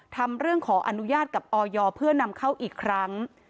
ทำเรื่องขออนุญาตกับออยเพื่อนำเข้าอีกครั้ง